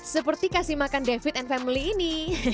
seperti kasih makan david and family ini